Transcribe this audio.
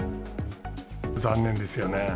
残念ですよね。